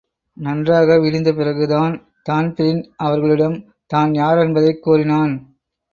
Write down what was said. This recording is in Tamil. நன்றாக விடிந்த பிறகு தான்தான்பிரீன் அவர்களிடம் தான் யாரென்பதைக் கூறினான்.